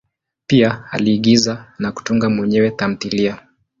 Pia aliigiza na kutunga mwenyewe tamthilia.